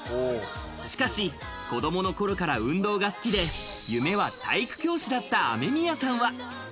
しかし、子供の頃から運動が好きで、夢は体育教師だった雨宮さんは。